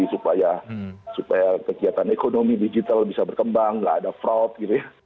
supaya kegiatan ekonomi digital bisa berkembang nggak ada fraud gitu ya